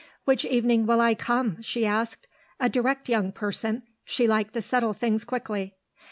"Which evening will I come?" she asked. A direct young person; she liked to settle things quickly.